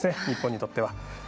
日本にとっては。